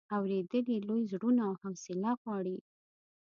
اورېدل یې لوی زړونه او حوصله غواړي.